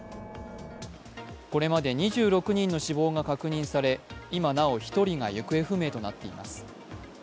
これまで２６人の死亡が確認され今なお１人が行方不明となっています。